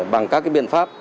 bằng các cái biện pháp